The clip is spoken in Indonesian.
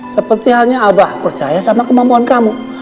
seperti halnya abah percaya sama kemampuan kamu